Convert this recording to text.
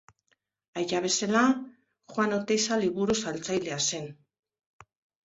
Aita bezala, Juan Oteiza liburu-saltzailea zen.